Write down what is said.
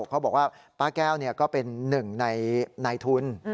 เขาบอกว่าป้าแก้วก็เป็นหนึ่งในนายทุน